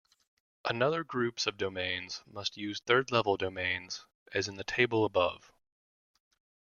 Another groups of domains must use third-level domains, as in the table above.